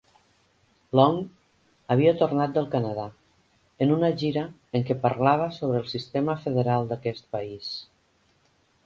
Long havia tornat del Canadà en una gira en què parlava sobre el sistema federal d'aquest país.